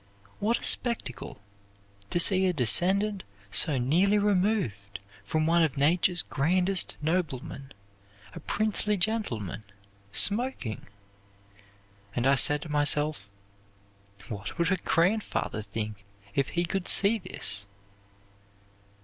What a spectacle, to see a descendant so nearly removed from one of Nature's grandest noblemen, a princely gentleman, smoking! And I said to myself, "What would her grandfather think if he could see this?"